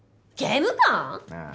ああ。